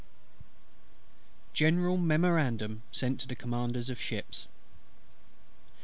GENERAL MEMORANDUM sent to the Commanders of Ships.